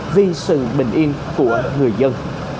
vì sự bình yên của người dân